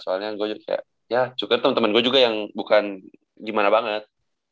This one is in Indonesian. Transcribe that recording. soalnya gua juga kayak ya cukup temen temen gua juga yang bukan gimana banget